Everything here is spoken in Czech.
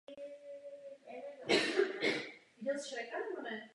Po skončení studií se stal pastorem reformované evangelické církve v Magdeburgu.